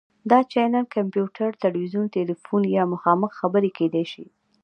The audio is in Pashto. دا چینل کمپیوټر، تلویزیون، تیلیفون یا مخامخ خبرې کیدی شي.